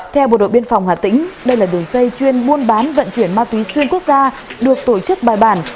theo bộ đội biên phòng hà tĩnh đây là đường dây chuyên buôn bán vận chuyển ma túy xuyên quốc gia được tổ chức bài bản